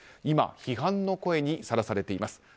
今、批判の声にさらされています。